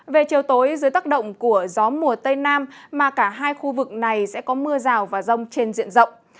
về chiều tối dưới tác động của gió mùa tây nam mà cả hai khu vực này sẽ có mưa rào và rông trên diện rộng